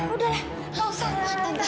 udah lah tante tante